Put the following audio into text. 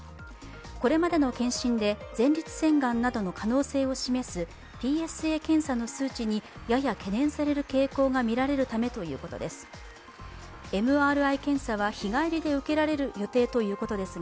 これまでの検診で前立腺がんなどの可能性を示すＰＳＡ検査の数値に、やや懸念される傾向が見られるためということです。